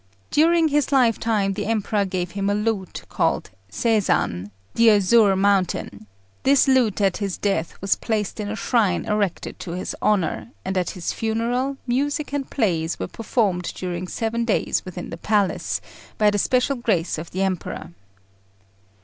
During his lifetime the Emperor gave him a lute, called Sei zan, "the Azure Mountain"; this lute at his death was placed in a shrine erected to his honour, and at his funeral music and plays were performed during seven days within the palace, by the special grace of the Emperor.